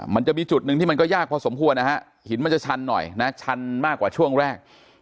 มันจะมีจุดหนึ่งที่มันก็ยากพอสมควรนะฮะหินมันจะชันหน่อยนะชันมากกว่าช่วงแรก